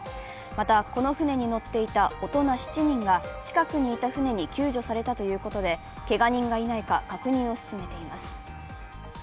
また、この船に乗っていた大人７人が近くにいた船に救助されたということで、けが人がいないか、確認を進めています。